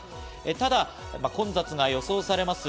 ただ混雑が予想されます